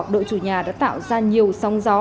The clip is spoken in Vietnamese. đội chủ nhà đã tạo ra nhiều sóng gió